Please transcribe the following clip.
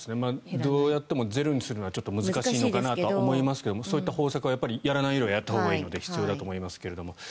どうやってもゼロにするのはちょっと難しいのかなと思いますがそういった方策はやらないよりはやったほうがいいので必要だとは思いますけれども。